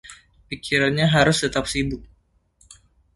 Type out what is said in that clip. Pikirannya harus tetap sibuk.